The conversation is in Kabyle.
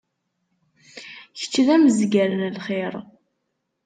Kečč d amezzgar n lxiṛ.